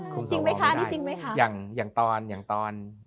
จริงไหมคะนี่จริงไหมคะ